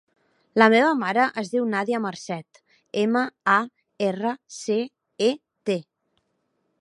La meva mare es diu Nàdia Marcet: ema, a, erra, ce, e, te.